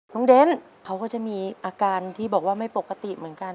เด้นเขาก็จะมีอาการที่บอกว่าไม่ปกติเหมือนกัน